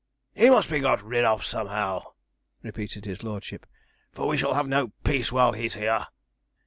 He must be got rid of somehow,' repeated his lordship; 'for we shall have no peace while he's here.'